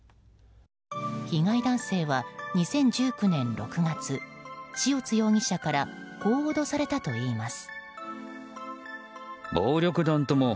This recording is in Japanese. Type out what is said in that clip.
被害男性は２０１９年６月塩津容疑者からこう脅されたといいます。